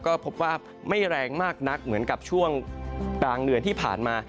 ก็พบว่าไม่แรงมากนักเหมือนกับช่วงกลางเดือนที่ผ่านมา